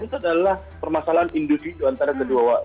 itu adalah permasalahan individu antara kedua